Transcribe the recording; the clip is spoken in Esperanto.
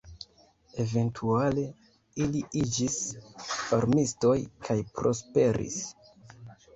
Eventuale, ili iĝis farmistoj kaj prosperis.